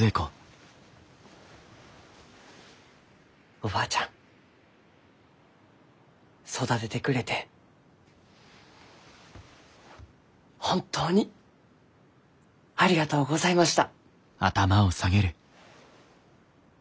おばあちゃん育ててくれて本当にありがとうございました。